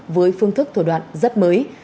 với phương thức thủ đoạn rất mới